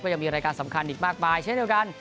ยังมีรายการสำคัญอีกมากมายเช่นเดียวกัน